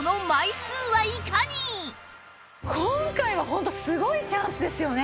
今回はホントすごいチャンスですよね。